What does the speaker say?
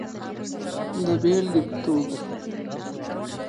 د ژوند په هر سفر کې باید له پوره دقت څخه کار واخیستل شي.